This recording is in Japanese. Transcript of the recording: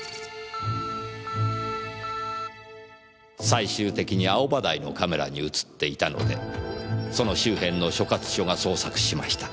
最終的に青葉台のカメラに映っていたのでその周辺の所轄署が捜索しました。